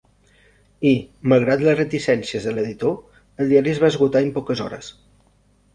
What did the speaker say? I, malgrat les reticències de l'editor, el diari es va esgotar en poques hores.